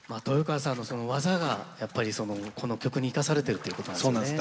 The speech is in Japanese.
豊川さんの技がやっぱりこの曲に生かされてるということなんですね。